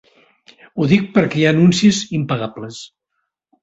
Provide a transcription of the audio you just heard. Ho dic perquè hi ha anuncis impagables.